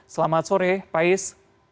selamat sore pak is